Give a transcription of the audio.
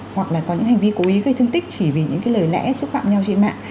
hoặc là có những hành vi cố ý gây thương tích chỉ vì những cái lời lẽ xúc phạm nhau trên mạng